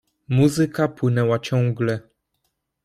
"Muzyka płynęła ciągle."